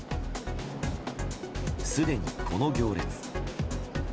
すでにこの行列。